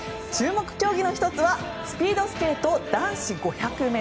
注目競技の１つはスピードスケート男子５００ｍ。